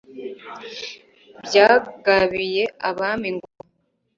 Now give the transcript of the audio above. byagabiye abami ingoma